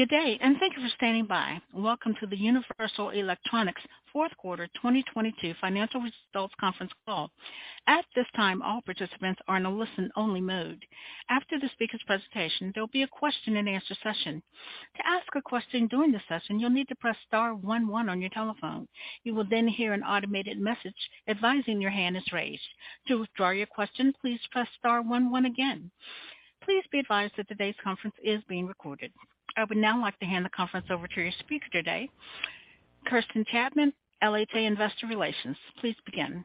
Good day, and thank you for standing by. Welcome to the Universal Electronics 4th quarter 2022 financial results conference call. At this time, all participants are in a listen-only mode. After the speaker's presentation, there'll be a question-and-answer session. To ask a question during the session, you'll need to press star one one on your telephone. You will then hear an automated message advising your hand is raised. To withdraw your question, please press star one one again. Please be advised that today's conference is being recorded. I would now like to hand the conference over to your speaker today, Kirsten Chapman, LHA Investor Relations. Please begin.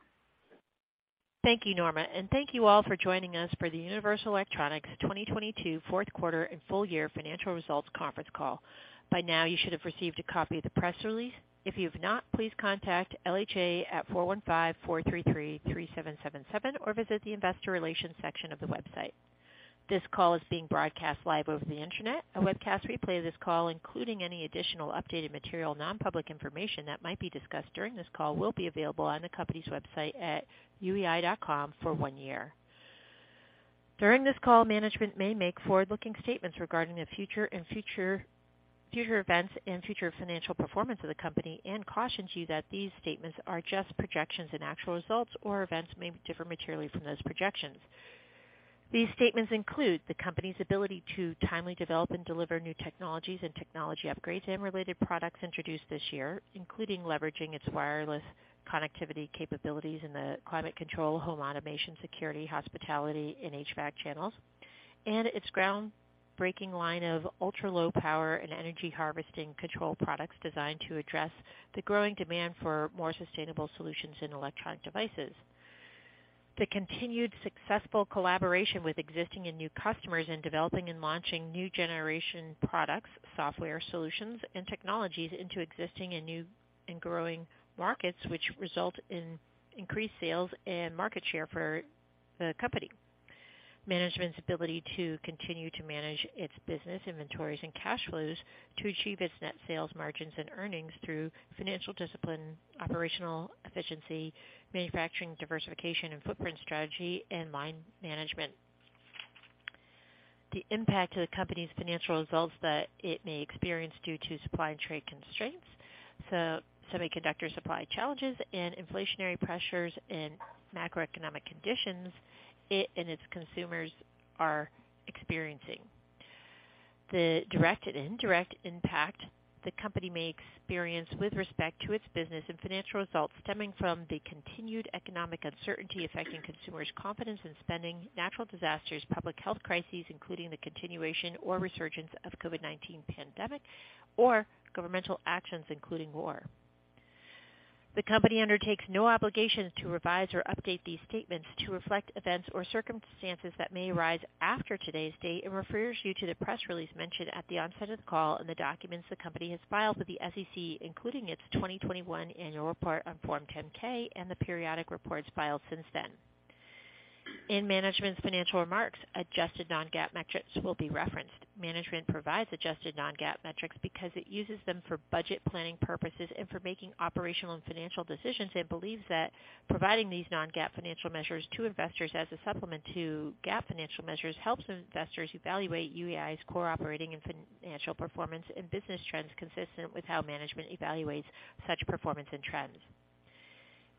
Thank you, Norma, and thank you all for joining us for the Universal Electronics 2022 4th quarter and full year financial results conference call. By now, you should have received a copy of the press release. If you have not, please contact LHA at 415-433-3777, or visit the investor relations section of the website. This call is being broadcast live over the Internet. A webcast replay of this call, including any additional updated material, non-public information that might be discussed during this call, will be available on the company's website at uei.com for one year. During this call, management may make forward-looking statements regarding the future events and future financial performance of the company and cautions you that these statements are just projections, and actual results or events may differ materially from those projections. These statements include the company's ability to timely develop and deliver new technologies and technology upgrades and related products introduced this year, including leveraging its wireless connectivity capabilities in the climate control, home automation, security, hospitality, and HVAC channels, and its ground-breaking line of ultra-low power and energy harvesting control products designed to address the growing demand for more sustainable solutions in electronic devices. The continued successful collaboration with existing and new customers in developing and launching new generation products, software solutions, and technologies into existing and new and growing markets, which result in increased sales and market share for the company. Management's ability to continue to manage its business inventories and cash flows to achieve its net sales, margins, and earnings through financial discipline, operational efficiency, manufacturing diversification and footprint strategy, and line management. The impact to the company's financial results that it may experience due to supply and trade constraints, semiconductor supply challenges and inflationary pressures and macroeconomic conditions it and its consumers are experiencing. The direct and indirect impact the company may experience with respect to its business and financial results stemming from the continued economic uncertainty affecting consumers' confidence in spending, natural disasters, public health crises, including the continuation or resurgence of COVID-19 pandemic or governmental actions, including war. The company undertakes no obligations to revise or update these statements to reflect events or circumstances that may arise after today's date and refers you to the press release mentioned at the onset of the call and the documents the company has filed with the SEC, including its 2021 annual report on Form 10-K and the periodic reports filed since then. In management's financial remarks, adjusted non-GAAP metrics will be referenced. Management provides adjusted non-GAAP metrics because it uses them for budget planning purposes and for making operational and financial decisions, believes that providing these non-GAAP financial measures to investors as a supplement to GAAP financial measures helps investors evaluate UEI's core operating and financial performance and business trends consistent with how management evaluates such performance and trends.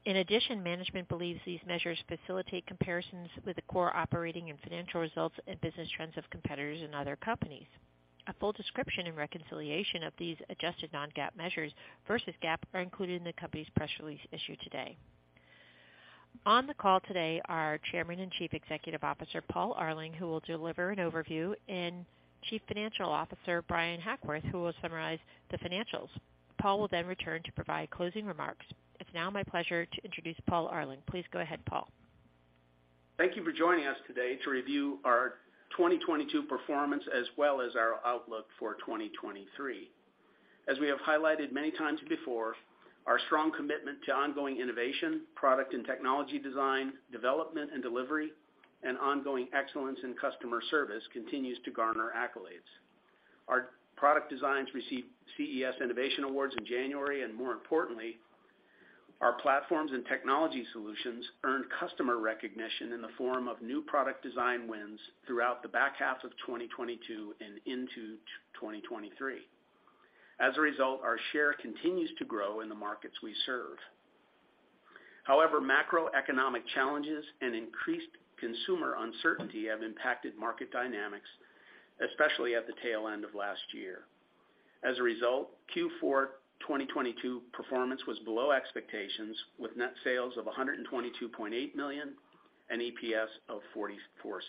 In addition, management believes these measures facilitate comparisons with the core operating and financial results and business trends of competitors and other companies. A full description and reconciliation of these adjusted non-GAAP measures versus GAAP are included in the company's press release issued today. On the call today are our Chairman and Chief Executive Officer, Paul Arling, who will deliver an overview, and Chief Financial Officer, Bryan Hackworth, who will summarize the financials. Paul will return to provide closing remarks. It's now my pleasure to introduce Paul Arling. Please go ahead, Paul. Thank you for joining us today to review our 2022 performance as well as our outlook for 2023. As we have highlighted many times before, our strong commitment to ongoing innovation, product and technology design, development and delivery, and ongoing excellence in customer service continues to garner accolades. Our product designs received CES Innovation Awards in January, and more importantly, our platforms and technology solutions earned customer recognition in the form of new product design wins throughout the back half of 2022 and into 2023. As a result, our share continues to grow in the markets we serve. However, macroeconomic challenges and increased consumer uncertainty have impacted market dynamics, especially at the tail end of last year. As a result, Q4 2022 performance was below expectations, with net sales of $122.8 million and EPS of $0.44.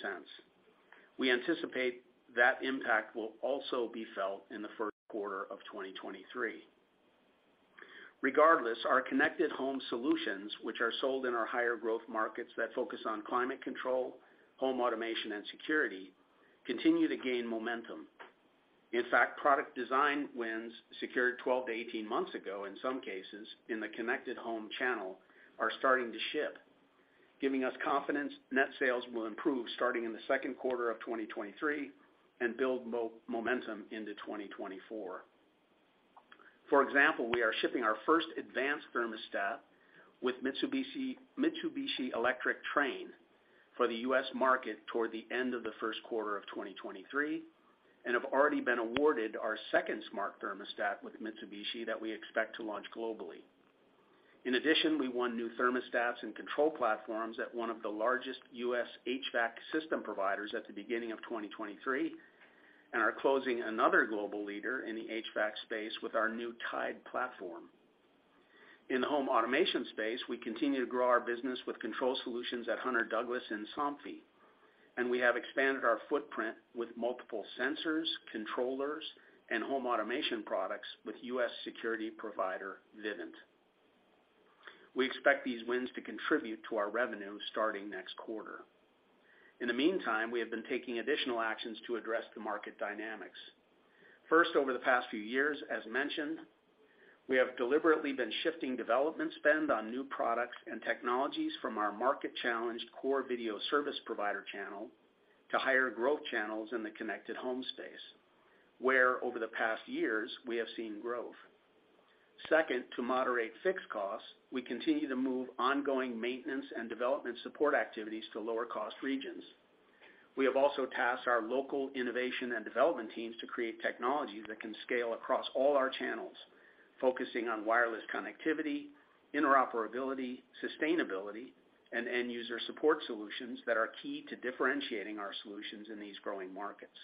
We anticipate that impact will also be felt in the 4th quarter of 2023. Regardless, our connected home solutions, which are sold in our higher growth markets that focus on climate control, home automation, and security, continue to gain momentum. In fact, product design wins secured 12-18 months ago in some cases in the connected home channel are starting to ship, giving us confidence net sales will improve starting in the 2nd quarter of 2023 and build momentum into 2024. For example, we are shipping our t advanced thermostat with Mitsubishi Electric Trane for the U.S. market toward the end of the 1st quarter of 2023, and have already been awarded our 2nd smart thermostat with Mitsubishi that we expect to launch globally. In addition, we won new thermostats and control platforms at one of the largest U.S. HVAC system providers at the beginning of 2023, and are closing another global leader in the HVAC space with our new UEI TIDE platform. In the home automation space, we continue to grow our business with control solutions at Hunter Douglas and Somfy, and we have expanded our footprint with multiple sensors, controllers, and home automation products with U.S. security provider Vivint. We expect these wins to contribute to our revenue starting next quarter. In the meantime, we have been taking additional actions to address the market dynamics. 1st, over the past few years, as mentioned, we have deliberately been shifting development spend on new products and technologies from our market-challenged core video service provider channel to higher growth channels in the connected home space, where over the past years we have seen growth. 2nd, to moderate fixed costs, we continue to move ongoing maintenance and development support activities to lower cost regions. We have also tasked our local innovation and development teams to create technologies that can scale across all our channels, focusing on wireless connectivity, interoperability, sustainability, and end user support solutions that are key to differentiating our solutions in these growing markets.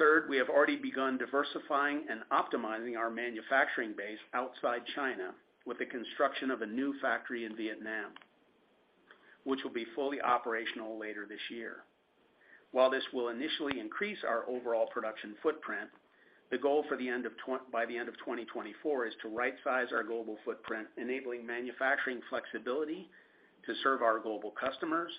3rd, we have already begun diversifying and optimizing our manufacturing base outside China with the construction of a new factory in Vietnam, which will be fully operational later this year. While this will initially increase our overall production footprint, the goal by the end of 2024 is to right-size our global footprint, enabling manufacturing flexibility to serve our global customers,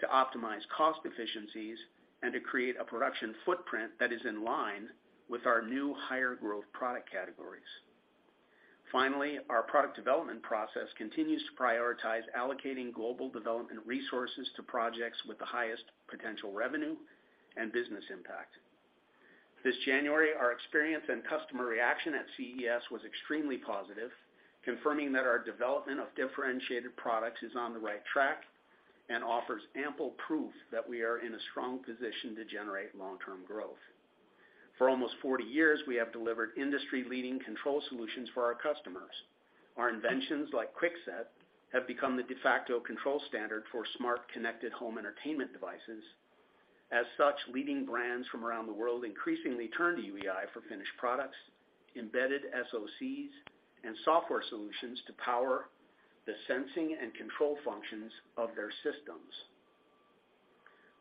to optimize cost efficiencies, and to create a production footprint that is in line with our new higher growth product categories. Finally, our product development process continues to prioritize allocating global development resources to projects with the highest potential revenue and business impact. This January, our experience and customer reaction at CES was extremely positive, confirming that our development of differentiated products is on the right track and offers ample proof that we are in a strong position to generate long-term growth. For almost 40 years, we have delivered industry-leading control solutions for our customers. Our inventions like Kwikset have become the de facto control standard for smart, connected home entertainment devices. As such, leading brands from around the world increasingly turn to UEI for finished products, embedded SoCs, and software solutions to power the sensing and control functions of their systems.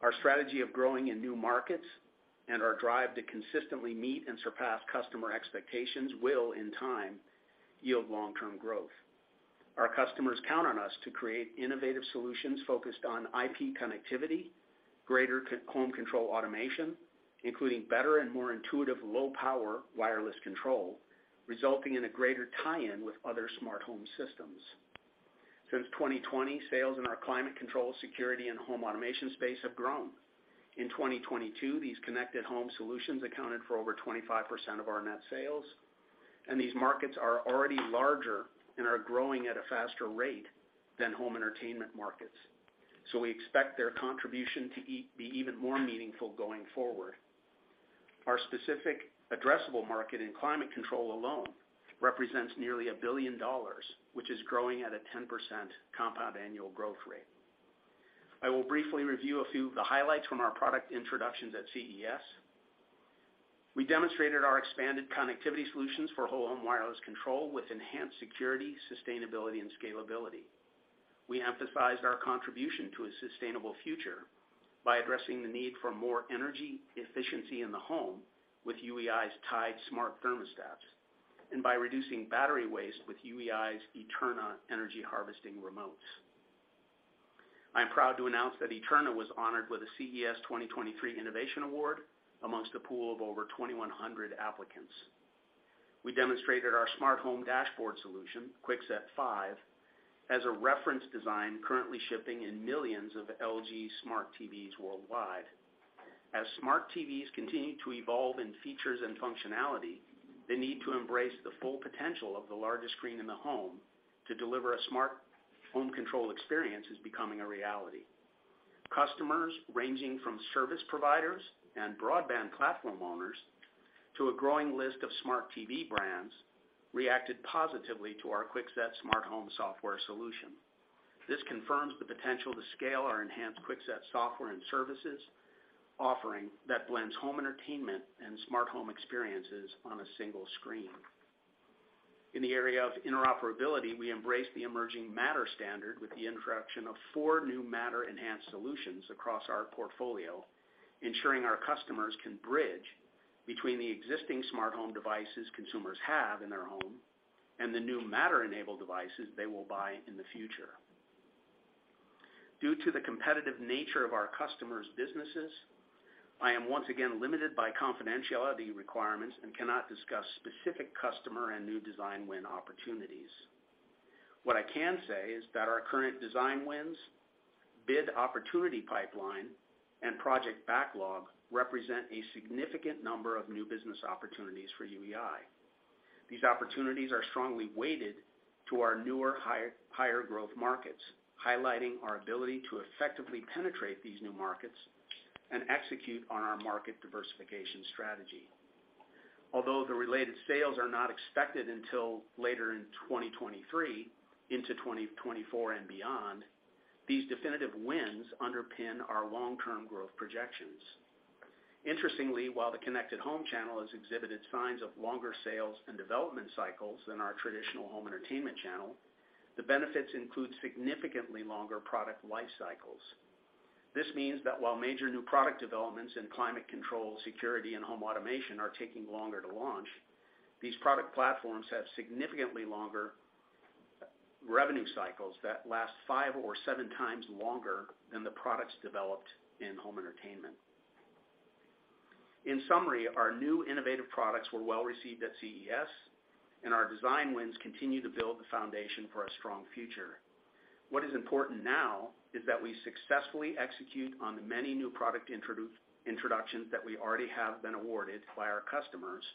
Our strategy of growing in new markets and our drive to consistently meet and surpass customer expectations will, in time, yield long-term growth. Our customers count on us to create innovative solutions focused on IP connectivity, greater co-home control automation, including better and more intuitive low-power wireless control, resulting in a greater tie-in with other smart home systems. Since 2020, sales in our climate control, security, and home automation space have grown. In 2022, these connected home solutions accounted for over 25% of our net sales, and these markets are already larger and are growing at a faster rate than home entertainment markets. We expect their contribution to be even more meaningful going forward. Our specific addressable market in climate control alone represents nearly $1 billion, which is growing at a 10% compound annual growth rate. I will briefly review a few of the highlights from our product introductions at CES. We demonstrated our expanded connectivity solutions for whole home wireless control with enhanced security, sustainability, and scalability. We emphasized our contribution to a sustainable future by addressing the need for more energy efficiency in the home with UEI Tide Smart Thermostats and by reducing battery waste with UEI Eterna energy harvesting remotes. I am proud to announce that Eterna was honored with a CES 2023 Innovation Award amongst a pool of over 2,100 applicants. We demonstrated our smart home dashboard solution, Kwikset 5.0, as a reference design currently shipping in millions of LG smart TVs worldwide. As smart TVs continue to evolve in features and functionality, the need to embrace the full potential of the largest screen in the home to deliver a smart home control experience is becoming a reality. Customers ranging from service providers and broadband platform owners to a growing list of smart TV brands reacted positively to our Kwikset smart home software solution. This confirms the potential to scale our enhanced Kwikset software and services offering that blends home entertainment and smart home experiences on a single screen. In the area of interoperability, we embrace the emerging Matter standard with the introduction of four new Matter-enhanced solutions across our portfolio, ensuring our customers can bridge between the existing smart home devices consumers have in their home and the new Matter-enabled devices they will buy in the future. Due to the competitive nature of our customers' businesses, I am once again limited by confidentiality requirements and cannot discuss specific customer and new design win opportunities. What I can say is that our current design wins, bid opportunity pipeline, and project backlog represent a significant number of new business opportunities for UEI. These opportunities are strongly weighted to our newer, higher growth markets, highlighting our ability to effectively penetrate these new markets and execute on our market diversification strategy. Although the related sales are not expected until later in 2023 into 2024 and beyond, these definitive wins underpin our long-term growth projections. Interestingly, while the connected home channel has exhibited signs of longer sales and development cycles than our traditional home entertainment channel, the benefits include significantly longer product life cycles. This means that while major new product developments in climate control, security, and home automation are taking longer to launch, these product platforms have significantly longer revenue cycles that last five or seven times longer than the products developed in home entertainment. In summary, our new innovative products were well received at CES, and our design wins continue to build the foundation for a strong future. What is important now is that we successfully execute on the many new product introductions that we already have been awarded by our customers.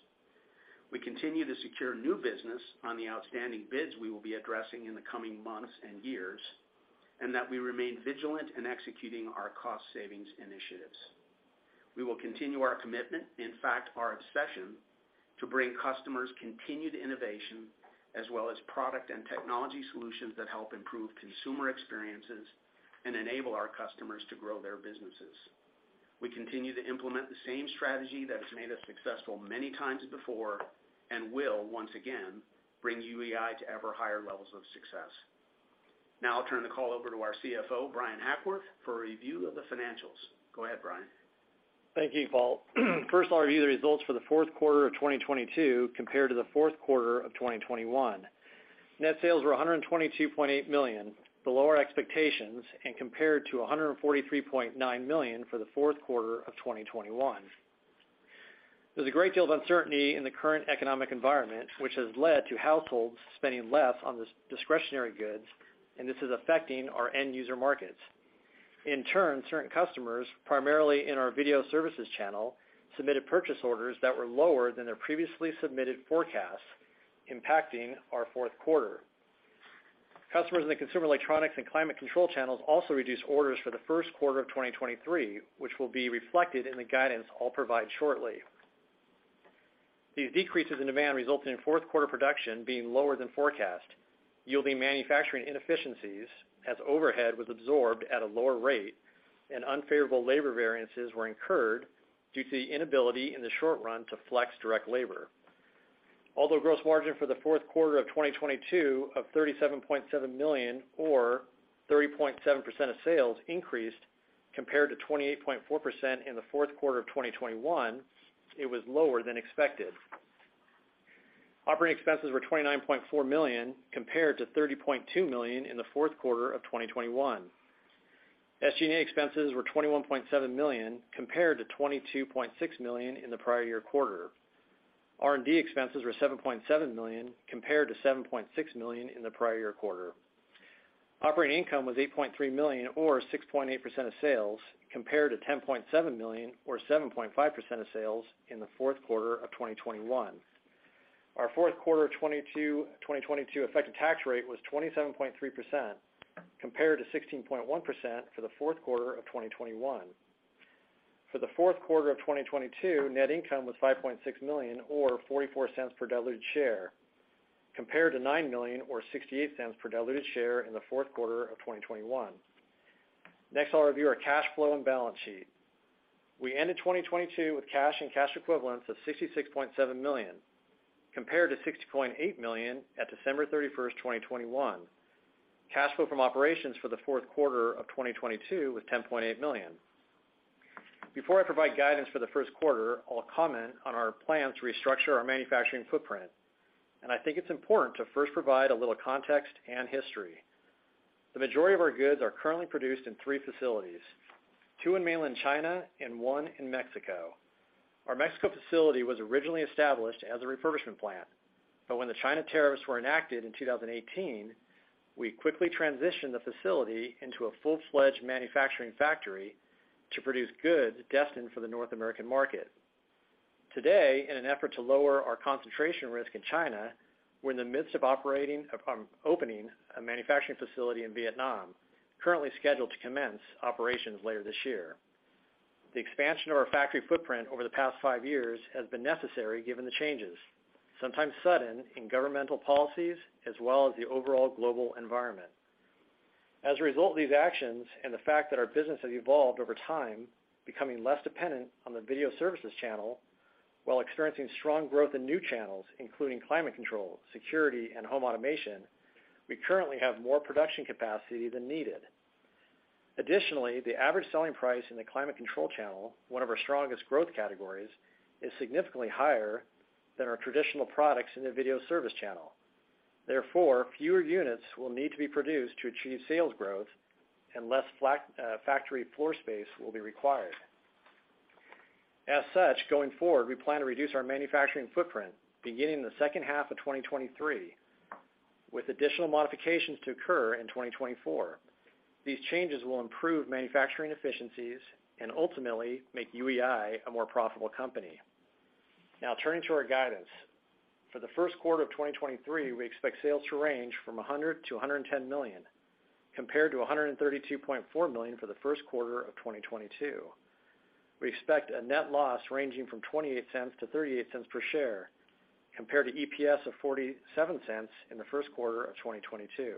We continue to secure new business on the outstanding bids we will be addressing in the coming months and years, and that we remain vigilant in executing our cost savings initiatives. We will continue our commitment, in fact, our obsession, to bring customers continued innovation as well as product and technology solutions that help improve consumer experiences and enable our customers to grow their businesses. We continue to implement the same strategy that has made us successful many times before and will once again bring UEI to ever higher levels of success. I'll turn the call over to our CFO, Bryan Hackworth, for a review of the financials. Go ahead, Bryan. Thank you, Paul. 1st, I'll review the results for the 4th quarter of 2022 compared to the 4th quarter of 2021. Net sales were $122.8 million, below our expectations, and compared to $143.9 million for the 4th quarter of 2021. There's a great deal of uncertainty in the current economic environment, which has led to households spending less on discretionary goods, and this is affecting our end user markets. In turn, certain customers, primarily in our video services channel, submitted purchase orders that were lower than their previously submitted forecasts, impacting our 4th quarter. Customers in the consumer electronics and climate control channels also reduced orders for the 1st quarter of 2023, which will be reflected in the guidance I'll provide shortly. These decreases in demand resulted in 4th quarter production being lower than forecast, yielding manufacturing inefficiencies as overhead was absorbed at a lower rate and unfavorable labor variances were incurred due to the inability in the short run to flex direct labor. Although gross margin for the 4th quarter of 2022 of $37.7 million or 30.7% of sales increased compared to 28.4% in the 4th quarter of 2021, it was lower than expected. Operating expenses were $29.4 million compared to $30.2 million in the 4th quarter of 2021. SG&A expenses were $21.7 million compared to $22.6 million in the prior year quarter. R&D expenses were $7.7 million compared to $7.6 million in the prior year quarter. Operating income was $8.3 million or 6.8% of sales compared to $10.7 million or 7.5% of sales in the 4th quarter of 2021. Our 4th quarter of 2022 effective tax rate was 27.3% compared to 16.1% for the 4th quarter of 2021. For the 4th quarter of 2022, net income was $5.6 million or $0.44 per diluted share compared to $9 million or $0.68 per diluted share in the 4th quarter of 2021. Next, I'll review our cash flow and balance sheet. We ended 2022 with cash and cash equivalents of $66.7 million compared to $60.8 million at December 31st, 2021. Cash flow from operations for the 4th quarter of 2022 was $10.8 million. Before I provide guidance for the 1st quarter, I'll comment on our plan to restructure our manufacturing footprint, and I think it's important to 1st provide a little context and history. The majority of our goods are currently produced in three facilities, two in mainland China and one in Mexico. Our Mexico facility was originally established as a refurbishment plant, but when the China tariffs were enacted in 2018, we quickly transitioned the facility into a full-fledged manufacturing factory to produce goods destined for the North American market. Today, in an effort to lower our concentration risk in China, we're in the midst of opening a manufacturing facility in Vietnam, currently scheduled to commence operations later this year. The expansion of our factory footprint over the past five years has been necessary given the changes, sometimes sudden, in governmental policies, as well as the overall global environment. As a result of these actions and the fact that our business has evolved over time, becoming less dependent on the video services channel while experiencing strong growth in new channels, including climate control, security, and home automation, we currently have more production capacity than needed. Additionally, the average selling price in the climate control channel, one of our strongest growth categories, is significantly higher than our traditional products in the video service channel. Fewer units will need to be produced to achieve sales growth and less factory floor space will be required. Going forward, we plan to reduce our manufacturing footprint beginning in the 2nd half of 2023, with additional modifications to occur in 2024. These changes will improve manufacturing efficiencies and ultimately make UEI a more profitable company. Turning to our guidance. For the 1st quarter of 2023, we expect sales to range from $100 million-$110 million compared to $132.4 million for the 1st quarter of 2022. We expect a net loss ranging from $0.28-$0.38 per share compared to EPS of $0.47 in the 1st quarter of 2022.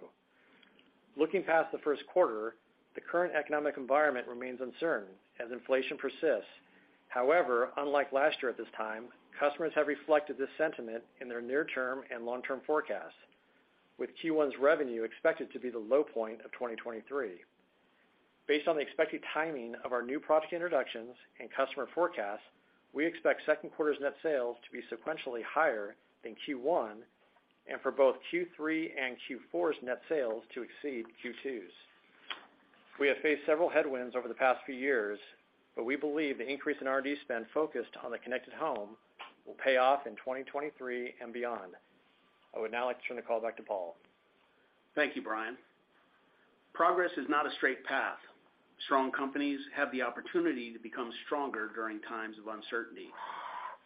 Looking past the 1st quarter, the current economic environment remains uncertain as inflation persists. Unlike last year at this time, customers have reflected this sentiment in their near-term and long-term forecasts, with Q1's revenue expected to be the low point of 2023. Based on the expected timing of our new product introductions and customer forecasts, we expect 2nd quarter's net sales to be sequentially higher than Q1, and for both Q3 and Q4's net sales to exceed Q2's. We have faced several headwinds over the past few years, but we believe the increase in R&D spend focused on the connected home will pay off in 2023 and beyond. I would now like to turn the call back to Paul. Thank you, Brian. Progress is not a straight path. Strong companies have the opportunity to become stronger during times of uncertainty.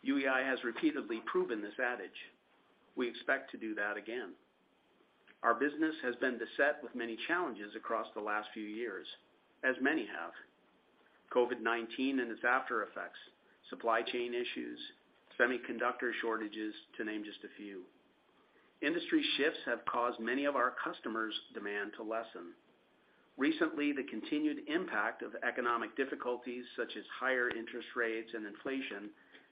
UEI has repeatedly proven this adage. We expect to do that again. Our business has been beset with many challenges across the last few years, as many have. COVID-19 and its after effects, supply chain issues, semiconductor shortages to name just a few. Industry shifts have caused many of our customers' demand to lessen. Recently, the continued impact of economic difficulties such as higher interest rates and inflation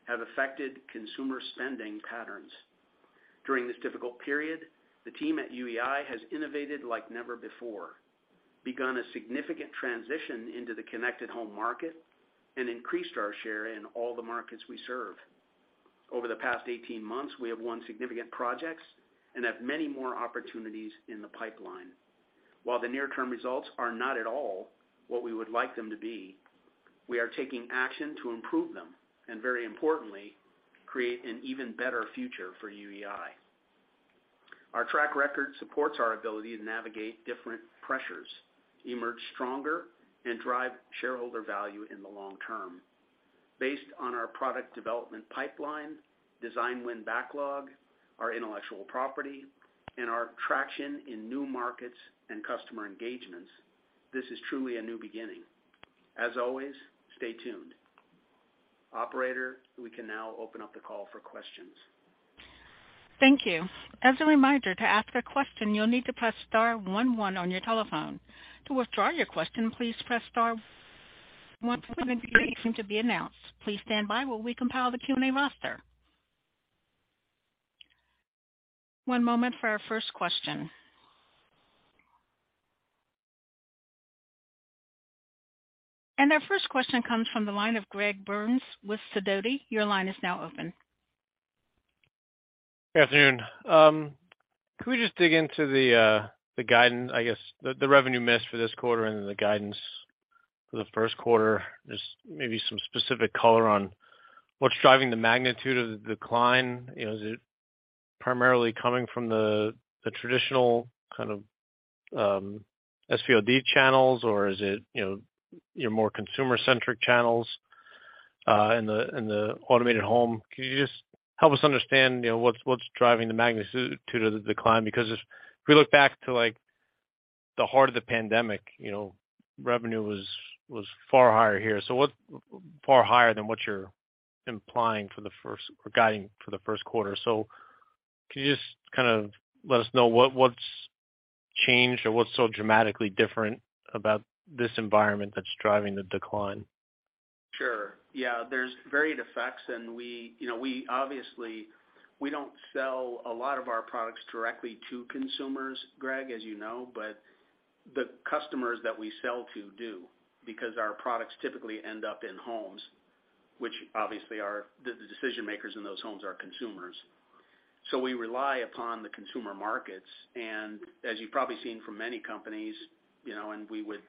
have affected consumer spending patterns. During this difficult period, the team at UEI has innovated like never before, begun a significant transition into the connected home market, and increased our share in all the markets we serve. Over the past 18 months, we have won significant projects and have many more opportunities in the pipeline. While the near term results are not at all what we would like them to be, we are taking action to improve them, and very importantly, create an even better future for UEI. Our track record supports our ability to navigate different pressures, emerge stronger, and drive shareholder value in the long term. Based on our product development pipeline, design win backlog, our intellectual property, and our traction in new markets and customer engagements, this is truly a new beginning. As always, stay tuned. Operator, we can now open up the call for questions. Thank you. As a reminder, to ask a question, you'll need to press star one one on your telephone. To withdraw your question, please press star one seven three. Seem to be announced. Please stand by while we compile the Q&A roster. One moment for our 1st question. Our 1st question comes from the line of Greg Burns with Sidoti. Your line is now open. Good afternoon. Can we just dig into the guidance, I guess the revenue miss for this quarter and the guidance for the 1st quarter? Just maybe some specific color on what's driving the magnitude of the decline. You know, is it primarily coming from the traditional kind of SVOD channels or is it, you know, your more consumer-centric channels in the automated home? Could you just help us understand, you know, what's driving the magnitude of the decline? If we look back to like the heart of the pandemic, you know, revenue was far higher here. Far higher than what you're implying for the 1st or guiding for the 1st quarter. Can you just kind of let us know what's changed or what's so dramatically different about this environment that's driving the decline? Sure. Yeah. There's varied effects and we, you know, we obviously we don't sell a lot of our products directly to consumers, Greg, as you know. The customers that we sell to do, because our products typically end up in homes which obviously are the decision makers in those homes are consumers. We rely upon the consumer markets. As you've probably seen from many companies, you know, and we would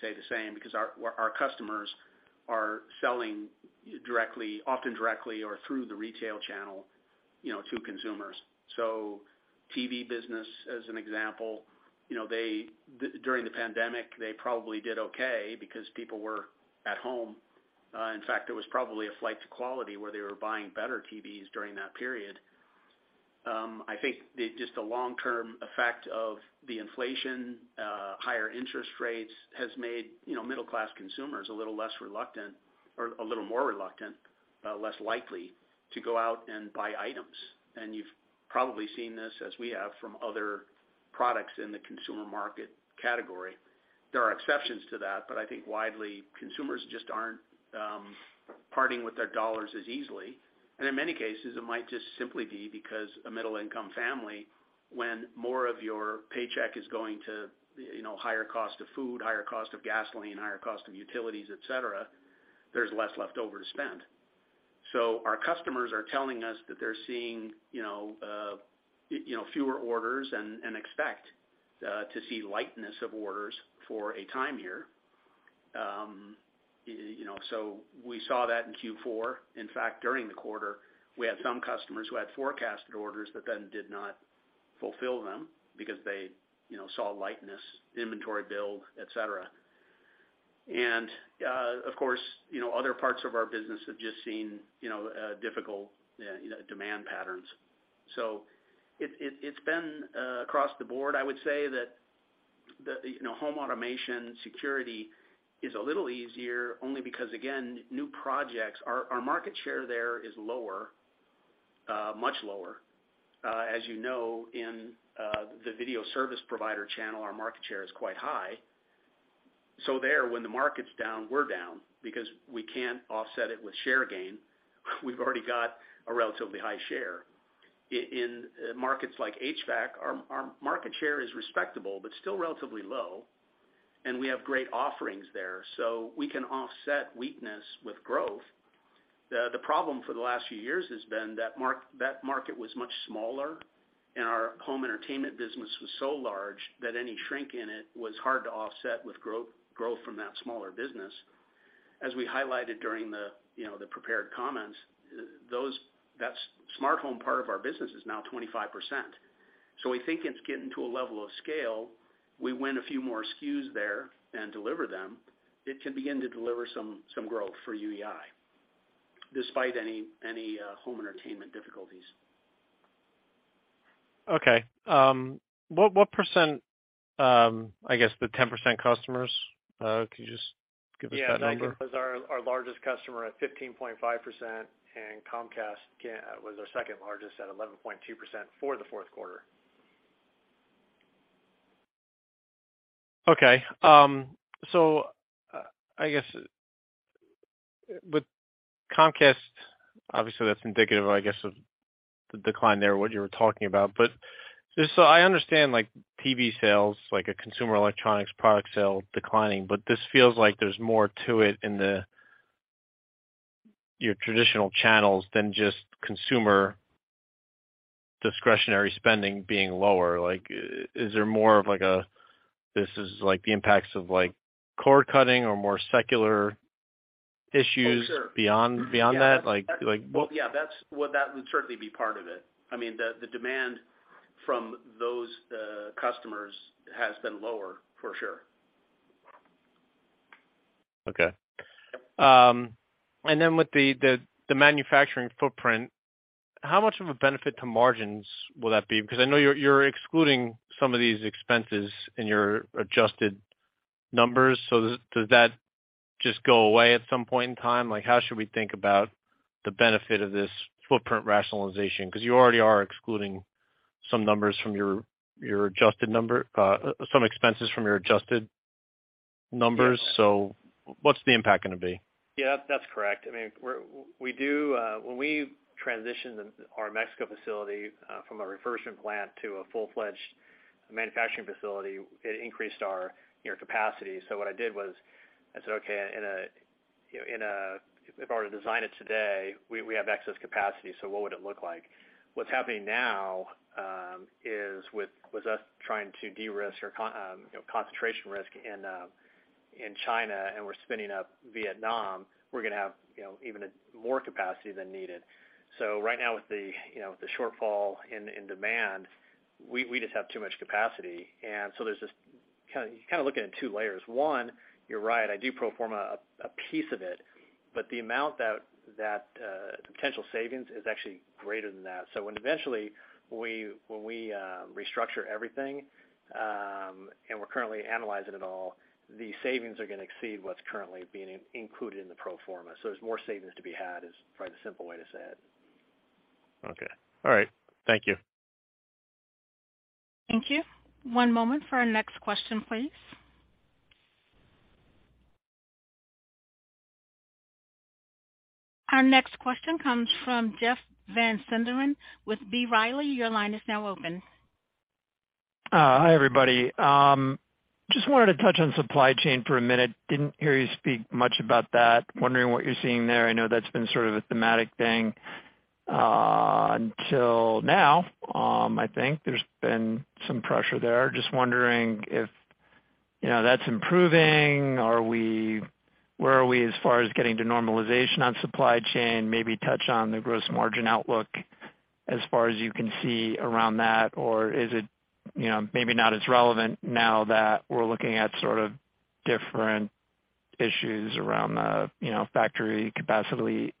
say the same because our customers are selling directly, often directly or through the retail channel, you know, to consumers. TV business as an example, you know, During the pandemic they probably did okay because people were at home. In fact it was probably a flight to quality where they were buying better TVs during that period. I think the just the long term effect of the inflation, higher interest rates has made, you know, middle class consumers a little less reluctant or a little more reluctant, less likely to go out and buy items. You've probably seen this as we have from other products in the consumer market category. There are exceptions to that, but I think widely consumers just aren't parting with their dollars as easily. In many cases it might just simply be because a middle income family when more of your paycheck is going to, you know, higher cost of food, higher cost of gasoline, higher cost of utilities, et cetera, there's less left over to spend. Our customers are telling us that they're seeing, you know, fewer orders and expect to see lightness of orders for a time here. You know, we saw that in Q4. In fact, during the quarter, we had some customers who had forecasted orders but then did not fulfill them because they, you know, saw lightness, inventory build, et cetera. Of course, you know, other parts of our business have just seen, you know, difficult, you know, demand patterns. It, it's been across the board. I would say that the, you know, home automation security is a little easier only because again, new projects. Our, our market share there is lower, much lower. As you know, in the video service provider channel, our market share is quite high. There, when the market's down, we're down because we can't offset it with share gain. We've already got a relatively high share. In markets like HVAC, our market share is respectable but still relatively low, and we have great offerings there. We can offset weakness with growth. The problem for the last few years has been that market was much smaller, and our home entertainment business was so large that any shrink in it was hard to offset with growth from that smaller business. As we highlighted during the, you know, the prepared comments, that smart home part of our business is now 25%. We think it's getting to a level of scale. We win a few more SKUs there and deliver them, it can begin to deliver some growth for UEI despite any home entertainment difficulties. What percent, I guess the 10% customers, can you just give us that number? Yeah. Number was our largest customer at 15.5%, and Comcast was our 2nd largest at 11.2% for the 4th quarter. Okay. I guess with Comcast, obviously that's indicative, I guess, of the decline there, what you were talking about. Just so I understand, like TV sales, like a consumer electronics product sale declining, this feels like there's more to it in the... your traditional channels than just consumer discretionary spending being lower. Like, is there more of like a, this is like the impacts of like cord cutting or more secular issues? Oh, sure. beyond that? Like what- Yeah, Well, that would certainly be part of it. I mean, the demand from those customers has been lower for sure. Okay. With the manufacturing footprint, how much of a benefit to margins will that be? Because I know you're excluding some of these expenses in your adjusted numbers. Does that just go away at some point in time? Like, how should we think about the benefit of this footprint rationalization? 'Cause you already are excluding some expenses from your adjusted numbers. Yeah. What's the impact gonna be? Yeah, that's correct. I mean, we do. When we transitioned our Mexico facility from a reversion plant to a full-fledged manufacturing facility, it increased our, you know, capacity. What I did was I said, "Okay, if I were to design it today, we have excess capacity, so what would it look like?" What's happening now is with us trying to de-risk our, you know, concentration risk in China, and we're spinning up Vietnam, we're gonna have, you know, even a more capacity than needed. Right now with the, you know, with the shortfall in demand, we just have too much capacity. You kind of look at it in two layers. One, you're right, I do pro forma a piece of it, but the amount that potential savings is actually greater than that. When eventually we restructure everything, and we're currently analyzing it all, the savings are gonna exceed what's currently being included in the pro forma. There's more savings to be had, is probably the simple way to say it. Okay. All right. Thank you. Thank you. One moment for our next question, please. Our next question comes from Jeff Van Sinderen with B. Riley. Your line is now open. Hi, everybody. Just wanted to touch on supply chain for a minute. Didn't hear you speak much about that. Wondering what you're seeing there. I know that's been sort of a thematic thing until now. I think there's been some pressure there. Just wondering if, you know, that's improving. Where are we as far as getting to normalization on supply chain? Maybe touch on the gross margin outlook as far as you can see around that, or is it, you know, maybe not as relevant now that we're looking at sort of different issues around the, you know, factory capacity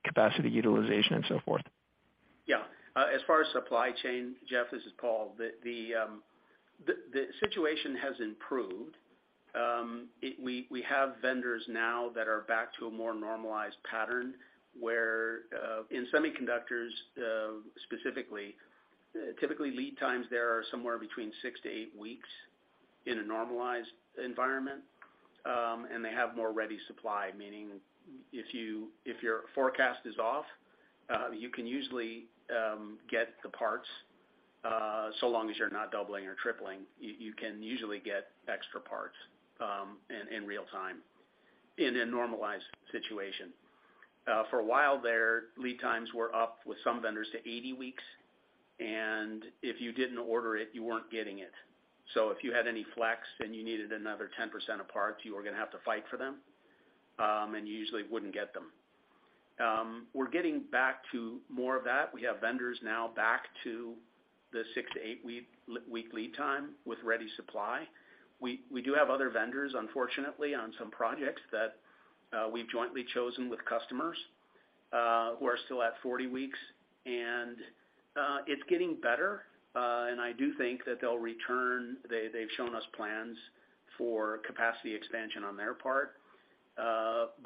utilization and so forth? As far as supply chain, Jeff, this is Paul. The situation has improved. We have vendors now that are back to a more normalized pattern, where in semiconductors, specifically, typically lead times there are somewhere between six-eight weeks in a normalized environment, and they have more ready supply. Meaning if your forecast is off, you can usually get the parts so long as you're not doubling or tripling, you can usually get extra parts in real time in a normalized situation. For a while there, lead times were up with some vendors to 80 weeks, and if you didn't order it, you weren't getting it. If you had any flex and you needed another 10% of parts, you were gonna have to fight for them, and you usually wouldn't get them. We're getting back to more of that. We have vendors now back to the six-eight week lead time with ready supply. We do have other vendors, unfortunately, on some projects that we've jointly chosen with customers, who are still at 40 weeks. It's getting better, and I do think that they'll return. They've shown us plans for capacity expansion on their part.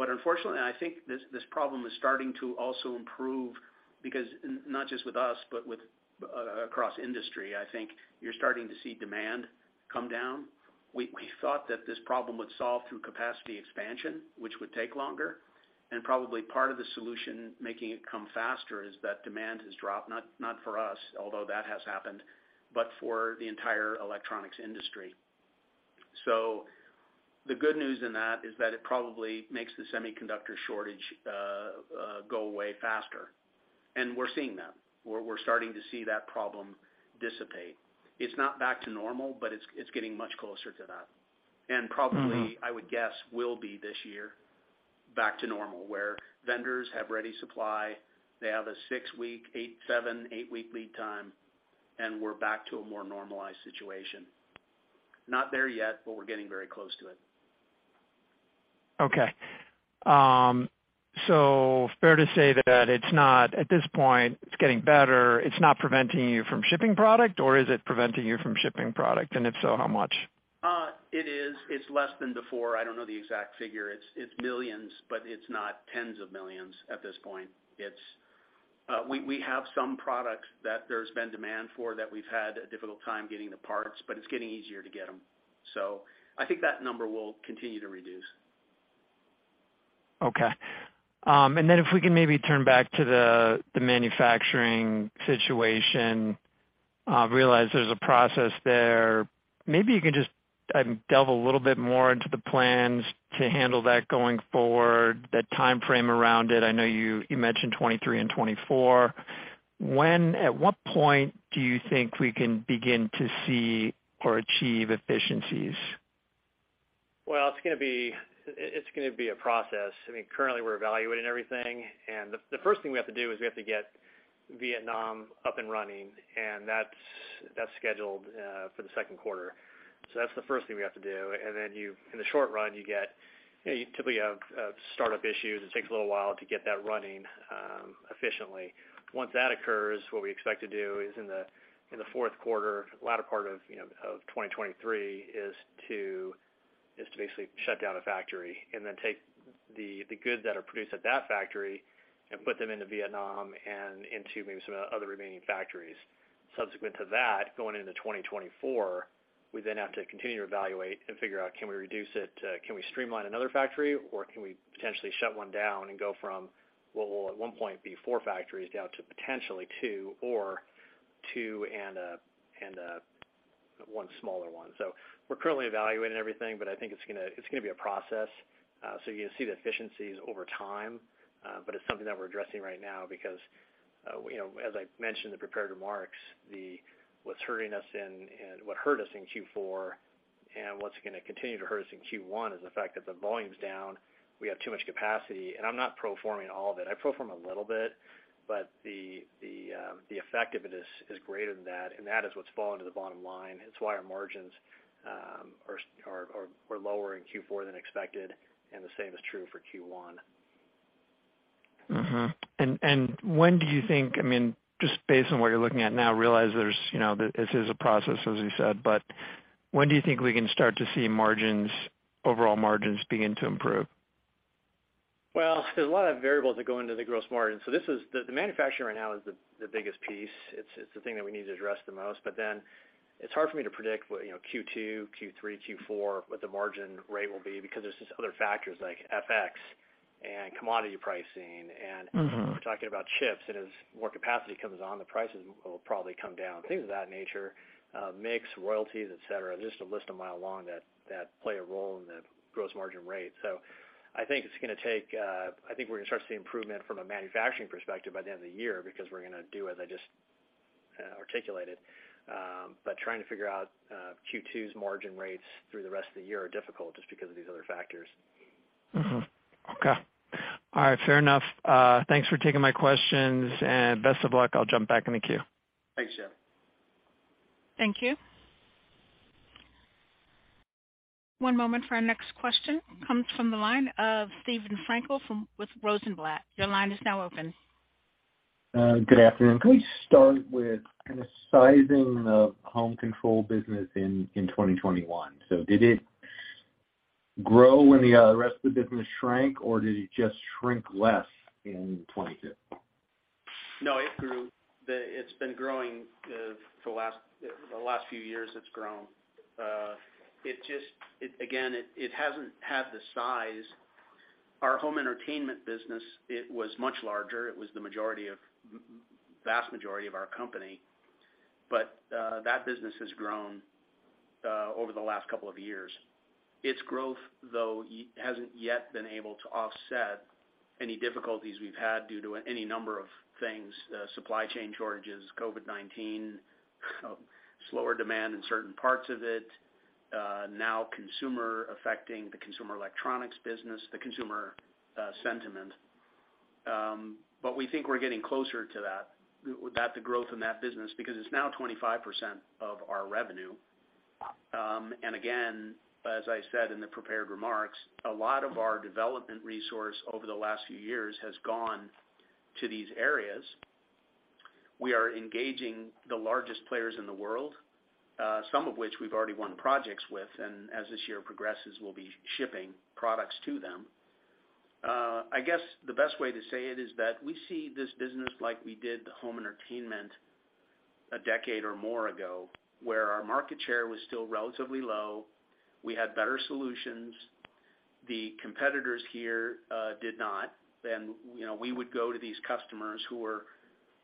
Unfortunately, I think this problem is starting to also improve because, not just with us, but with across industry, I think you're starting to see demand come down. We thought that this problem would solve through capacity expansion, which would take longer, and probably part of the solution making it come faster is that demand has dropped, not for us, although that has happened, but for the entire electronics industry. The good news in that is that it probably makes the semiconductor shortage go away faster. We're seeing that, where we're starting to see that problem dissipate. It's not back to normal, but it's getting much closer to that. Mm-hmm I would guess will be this year back to normal, where vendors have ready supply. They have a six-week, eight, seven, eight-week lead time. We're back to a more normalized situation. Not there yet, but we're getting very close to it. Okay. fair to say that at this point, it's getting better. It's not preventing you from shipping product, or is it preventing you from shipping product? If so, how much? It is. It's less than before. I don't know the exact figure. It's $ millions, but it's not $ 10 of millions at this point. It's, we have some products that there's been demand for that we've had a difficult time getting the parts, but it's getting easier to get them. I think that number will continue to reduce. Okay. If we can maybe turn back to the manufacturing situation, realize there's a process there. Maybe you can just delve a little bit more into the plans to handle that going forward, the timeframe around it. I know you mentioned 2023 and 2024. At what point do you think we can begin to see or achieve efficiencies? Well, it's gonna be a process. I mean, currently we're evaluating everything, and the 1st thing we have to do is we have to get Vietnam up and running, and that's scheduled for the 2nd quarter. That's the 1st thing we have to do. Then in the short run, you get, you know, you typically have start-up issues. It takes a little while to get that running efficiently. Once that occurs, what we expect to do is in the 4th quarter, latter part of, you know, of 2023, is to basically shut down a factory and then take the goods that are produced at that factory and put them into Vietnam and into maybe some other remaining factories. Subsequent to that, going into 2024, we then have to continue to evaluate and figure out can we reduce it, can we streamline another factory, or can we potentially shut one down and go from what will at one point be four factories down to potentially two or two and a, and a, one smaller one. We're currently evaluating everything, but I think it's gonna, it's gonna be a process. So you'll see the efficiencies over time, but it's something that we're addressing right now because, you know, as I mentioned in the prepared remarks, what's hurting us in, what hurt us in Q4 and what's gonna continue to hurt us in Q1 is the fact that the volume's down. We have too much capacity. I'm not proforming all of it. I pro forma a little bit, the effect of it is greater than that is what's falling to the bottom line. It's why our margins were lower in Q4 than expected, the same is true for Q1. Mm-hmm. I mean, just based on what you're looking at now, realize there's, you know, this is a process, as you said. When do you think we can start to see margins, overall margins begin to improve? There's a lot of variables that go into the gross margin. This is the manufacturing right now is the biggest piece. It's the thing that we need to address the most. It's hard for me to predict what, you know, Q2, Q3, Q4, what the margin rate will be because there's just other factors like FX and commodity pricing. Mm-hmm. If we're talking about chips, and as more capacity comes on, the prices will probably come down, things of that nature, mix, royalties, et cetera. There's just a list a mile long that play a role in the gross margin rate. I think it's gonna take, I think we're gonna start to see improvement from a manufacturing perspective by the end of the year because we're gonna do as I just articulated. Trying to figure out Q2's margin rates through the rest of the year are difficult just because of these other factors. Okay. All right. Fair enough. Thanks for taking my questions, and best of luck. I'll jump back in the queue. Thanks, Jeff. Thank you. One moment for our next question comes from the line of Steve Frankel with Rosenblatt. Your line is now open. Good afternoon. Can we start with kinda sizing the home control business in 2021? Did it grow when the rest of the business shrank, or did it just shrink less in 2022? No, it grew. It's been growing for the last few years it's grown. Again, it hasn't had the size. Our home entertainment business, it was much larger. It was the vast majority of our company. That business has grown over the last couple of years. Its growth, though, hasn't yet been able to offset any difficulties we've had due to any number of things, supply chain shortages, COVID-19, slower demand in certain parts of it, now consumer affecting the consumer electronics business, the consumer sentiment. We think we're getting closer to that the growth in that business because it's now 25% of our revenue. Again, as I said in the prepared remarks, a lot of our development resource over the last few years has gone to these areas. We are engaging the largest players in the world, some of which we've already won projects with, and as this year progresses, we'll be shipping products to them. I guess the best way to say it is that we see this business like we did the home entertainment a decade or more ago, where our market share was still relatively low. We had better solutions. The competitors here did not. Then, you know, we would go to these customers who were,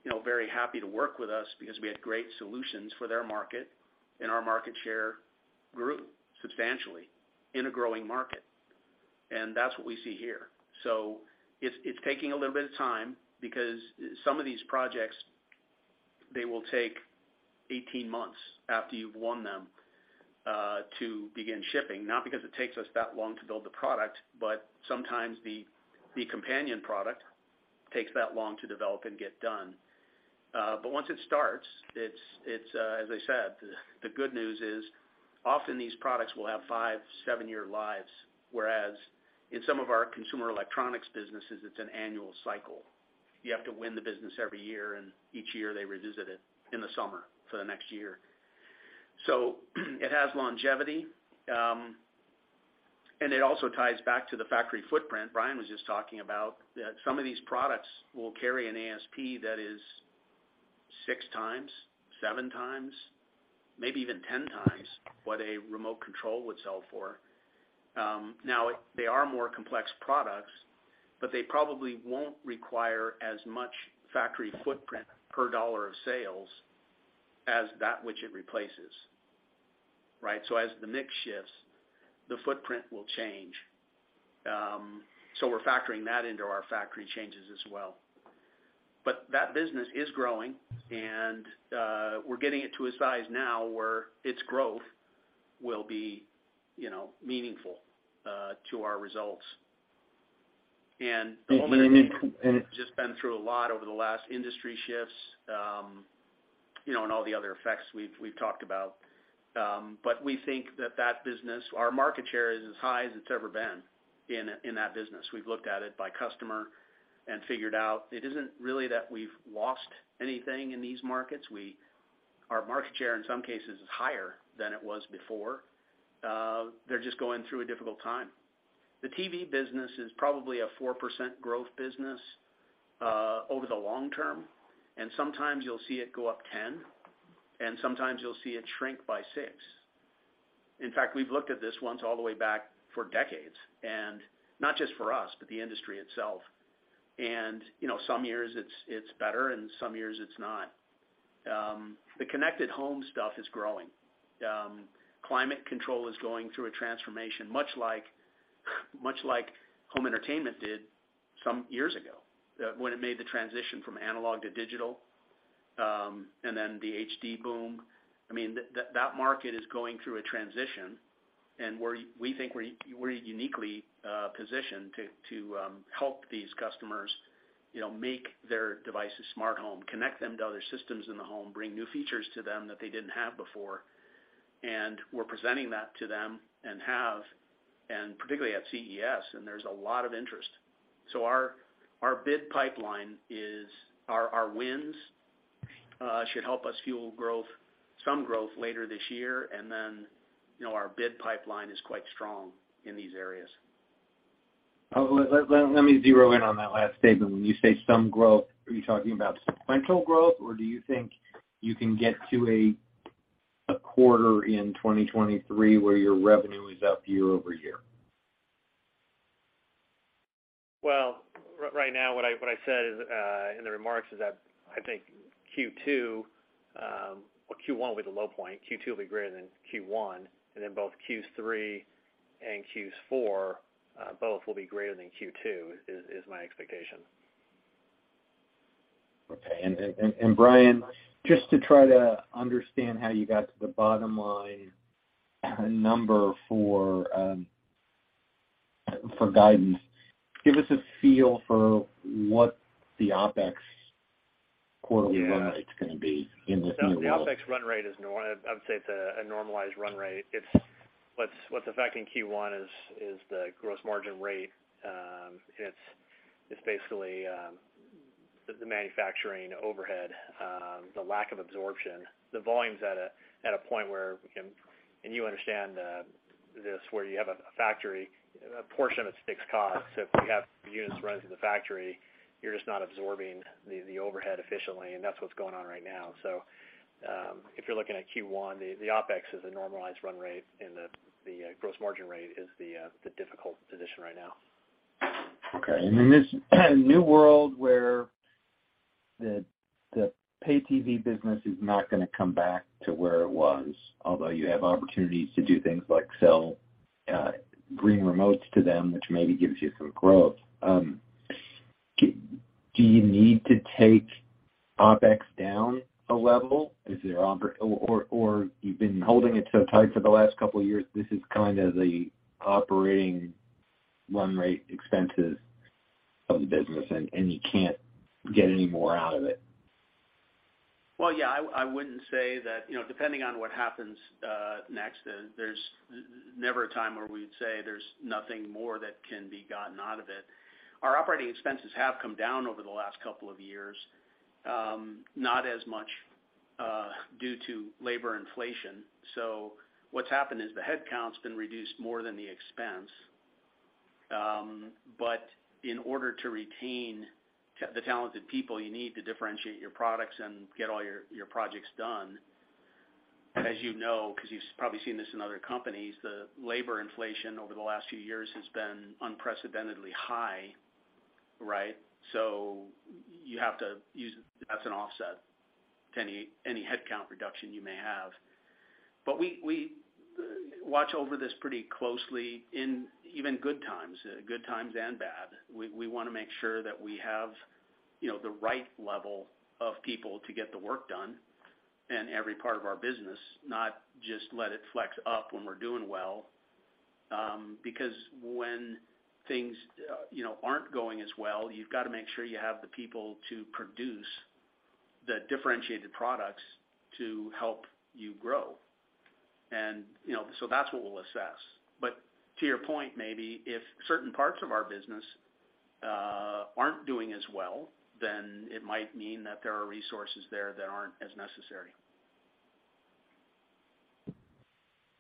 you know, very happy to work with us because we had great solutions for their market, and our market share grew substantially in a growing market. That's what we see here. It's taking a little bit of time because some of these projects, they will take 18 months after you've won them, to begin shipping, not because it takes us that long to build the product, but sometimes the companion product takes that long to develop and get done. But once it starts, it's, as I said, the good news is often these products will have five, seven-year lives, whereas in some of our consumer electronics businesses, it's an annual cycle. You have to win the business every year, and each year they revisit it in the summer for the next year. It has longevity, and it also ties back to the factory footprint. Brian was just talking about that some of these products will carry an ASP that is 6x, 7x, maybe even 10x what a remote control would sell for. Now they are more complex products, but they probably won't require as much factory footprint per dollar of sales as that which it replaces, right? As the mix shifts, the footprint will change. We're factoring that into our factory changes as well. That business is growing and, we're getting it to a size now where its growth will be, you know, meaningful to our results. The home entertainment has just been through a lot over the last industry shifts, you know, and all the other effects we've talked about. We think that that business, our market share is as high as it's ever been in that business. We've looked at it by customer and figured out it isn't really that we've lost anything in these markets. Our market share, in some cases, is higher than it was before. They're just going through a difficult time. The TV business is probably a 4% growth business over the long term, sometimes you'll see it go up 10, sometimes you'll see it shrink by 6. In fact, we've looked at this once all the way back for decades, not just for us, but the industry itself. You know, some years it's better, some years it's not. The connected home stuff is growing. Climate control is going through a transformation much like home entertainment did some years ago, when it made the transition from analog to digital, and then the HD boom. I mean, that market is going through a transition, and we think we're uniquely positioned to help these customers, you know, make their devices smart home, connect them to other systems in the home, bring new features to them that they didn't have before. We're presenting that to them and have particularly at CES, and there's a lot of interest. Our bid pipeline is. Our wins should help us fuel growth, some growth later this year. You know, our bid pipeline is quite strong in these areas. Let me zero in on that last statement. When you say some growth, are you talking about sequential growth, or do you think you can get to a quarter in 2023 where your revenue is up year over year? Well, right now what I said is in the remarks is that I think Q2 or Q1 will be the low point. Q2 will be greater than Q1, then both Q3 and Q4, both will be greater than Q2, is my expectation. Okay. Bryan, just to try to understand how you got to the bottom line number for guidance, give us a feel for what the OpEx quarterly run rate's gonna be in the new world. The OpEx run rate I'd say it's a normalized run rate. What's affecting Q1 is the gross margin rate. It's basically the manufacturing overhead, the lack of absorption. The volume's at a point where we can You understand this, where you have a factory, a portion of it is fixed costs. The units run through the factory, you're just not absorbing the overhead efficiently, that's what's going on right now. If you're looking at Q1, the OpEx is a normalized run rate the gross margin rate is the difficult position right now. Okay. In this new world where the pay TV business is not gonna come back to where it was, although you have opportunities to do things like sell green remotes to them, which maybe gives you some growth, do you need to take OpEx down a level? Or you've been holding it so tight for the last couple of years, this is kind of the operating run rate expenses of the business and you can't get any more out of it? Well, yeah, I wouldn't say that, you know, depending on what happens next, there's never a time where we'd say there's nothing more that can be gotten out of it. Our operating expenses have come down over the last couple of years, not as much due to labor inflation. What's happened is the headcount's been reduced more than the expense. In order to retain the talented people, you need to differentiate your products and get all your projects done. As you know, 'cause you've probably seen this in other companies, the labor inflation over the last few years has been unprecedentedly high, right? You have to use it as an offset to any headcount reduction you may have. We watch over this pretty closely in even good times, good times and bad. We wanna make sure that we have, you know, the right level of people to get the work done in every part of our business, not just let it flex up when we're doing well. Because when things, you know, aren't going as well, you've gotta make sure you have the people to produce the differentiated products to help you grow. You know, so that's what we'll assess. To your point, maybe if certain parts of our business aren't doing as well, then it might mean that there are resources there that aren't as necessary.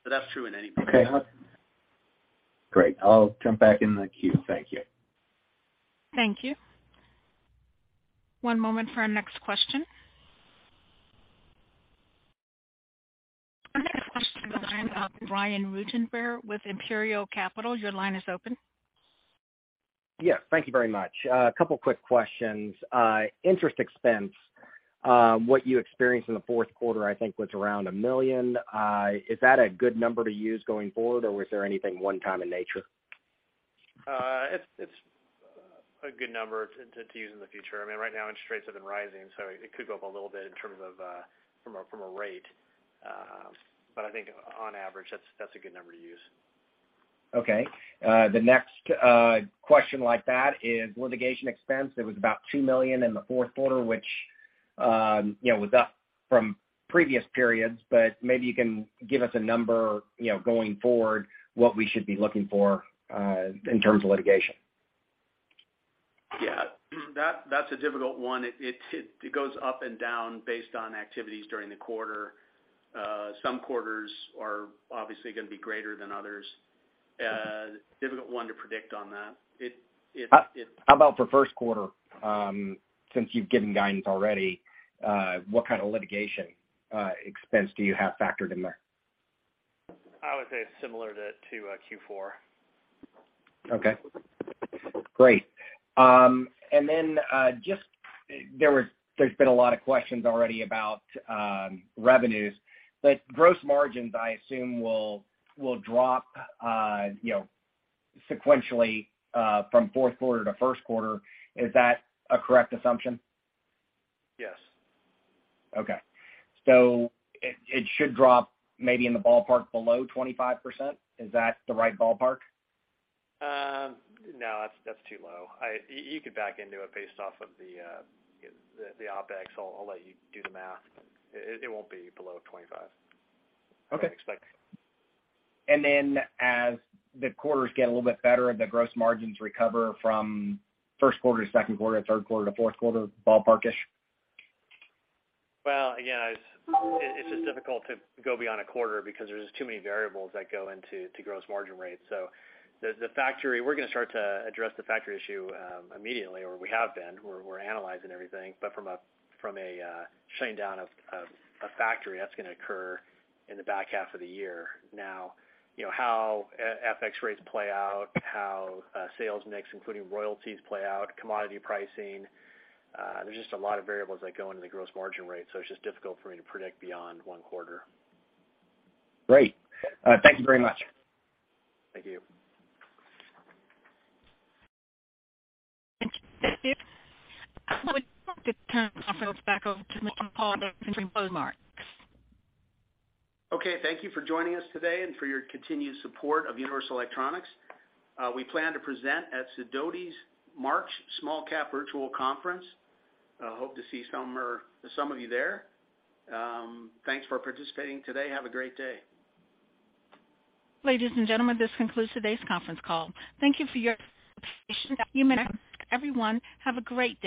That's true in any case. Okay. Great. I'll jump back in the queue. Thank you. Thank you. One moment for our next question. Our next question comes from the line of Brian Ruttenbur with Imperial Capital. Your line is open. Yeah. Thank you very much. A couple quick questions. Interest expense, what you experienced in the 4th quarter, I think was around $1 million. Is that a good number to use going forward, or was there anything one time in nature? It's a good number to use in the future. I mean, right now interest rates have been rising, so it could go up a little bit in terms of from a rate. I think on average, that's a good number to use. Okay. The next question like that is litigation expense. There was about $2 million in the 4th quarter, which, you know, was up from previous periods, but maybe you can give us a number, you know, going forward, what we should be looking for in terms of litigation. That's a difficult one. It goes up and down based on activities during the quarter. Some quarters are obviously gonna be greater than others. Difficult one to predict on that. How about for 1st quarter, since you've given guidance already, what kind of litigation expense do you have factored in there? I would say similar to Q4. Okay. Great. Just there's been a lot of questions already about revenues. Gross margins, I assume will drop, you know, sequentially, from 4th quarter to 1st quarter. Is that a correct assumption? Yes. It should drop maybe in the ballpark below 25%. Is that the right ballpark? No, that's too low. You could back into it based off of the, you know, the OpEx. I'll let you do the math. It won't be below 25. Okay. I would expect. as the quarters get a little bit better, the gross margins recover from 1st quarter to 2nd quarter to 3rd quarter to 4th quarter, ballpark-ish? Again, it's just difficult to go beyond a quarter because there's too many variables that go into gross margin rates. The factory, we're gonna start to address the factory issue immediately, or we have been. We're analyzing everything. From a shutting down of a factory, that's gonna occur in the back half of the year. You know, how FX rates play out, how sales mix, including royalties play out, commodity pricing, there's just a lot of variables that go into the gross margin rate, so it's just difficult for me to predict beyond one quarter. Great. Thank you very much. Thank you. Thank you. I would like to turn the conference back over to Michael Palmer of CJS Securities. Okay. Thank you for joining us today and for your continued support of Universal Electronics. We plan to present at Sidoti March Small-Cap Virtual Conference. Hope to see some or some of you there. Thanks for participating today. Have a great day. Ladies and gentlemen, this concludes today's conference call. Thank you for your participation. You may disconnect. Everyone, have a great day.